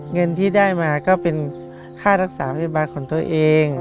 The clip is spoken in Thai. เงินที่ได้มาก็เป็นค่ารักษาพยาบาลของตัวเอง